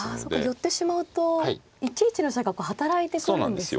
寄ってしまうと１一の飛車が働いてくるんですね。